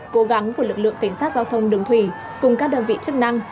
cố gắng của lực lượng cảnh sát giao thông đường thủy cùng các đơn vị chức năng